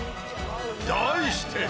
題して。